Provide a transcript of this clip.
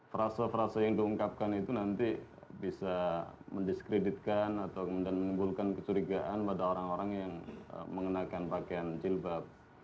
frase frase yang diungkapkan itu nanti bisa mendiskreditkan atau kemudian menimbulkan kecurigaan pada orang orang yang mengenakan pakaian jilbab